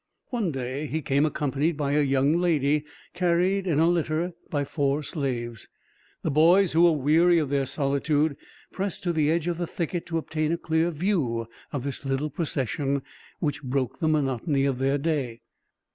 One day he came accompanied by a young lady, carried in a litter by four slaves. The boys, who were weary of their solitude, pressed to the edge of the thicket to obtain a clear view of this little procession, which broke the monotony of their day.